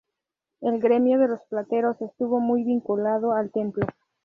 El gremio de los plateros estuvo muy vinculado al templo.